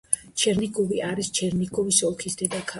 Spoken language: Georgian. ჩერნიგოვი არის ჩერნიგოვის ოლქის დედაქალაქი.